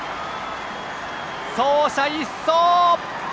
走者一掃！